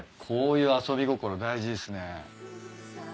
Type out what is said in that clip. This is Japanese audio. こういう遊び心大事ですね。